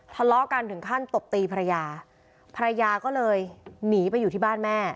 ทะเลาะกันถึงขั้นตบตีภรรยาภรรยาก็เลยหนีไปอยู่ที่บ้านแม่